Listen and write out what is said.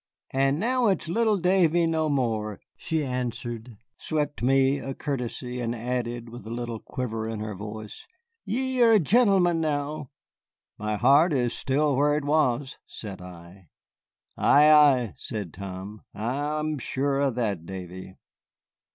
"And now it's little Davy no more," she answered, swept me a courtesy, and added, with a little quiver in her voice, "ye are a gentleman now." "My heart is still where it was," said I. "Ay, ay," said Tom, "I'm sure o' that, Davy."